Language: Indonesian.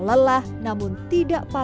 lelah namun tidak pasir